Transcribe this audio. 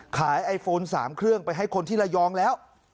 ไอโฟน๓เครื่องไปให้คนที่ระยองแล้ว